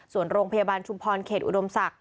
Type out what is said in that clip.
ส่วนโรงพยาบาลชุมพรเขตอุดมศักดิ